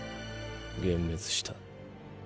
幻滅した。